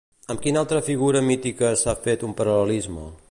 Amb quina altra figura mítica s'ha fet un paral·lelisme?